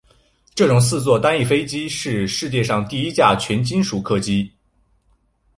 这种四座单翼飞机是世界上第一架全金属客机。